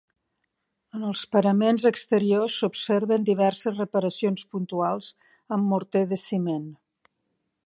En els paraments exteriors s'observen diverses reparacions puntuals amb morter de ciment.